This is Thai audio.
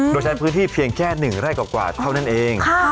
โดยใช้พื้นที่เพียงแค่๑ไร่กว่าเท่านั้นเอง